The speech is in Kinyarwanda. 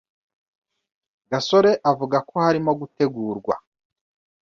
Gasore avuga ko harimo gutegurwa